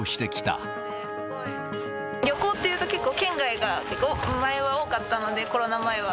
旅行っていうと、結構県外が前は多かったので、コロナ前は。